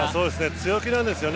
強気なんですよね